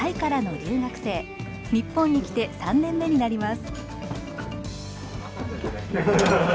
日本に来て３年目になります。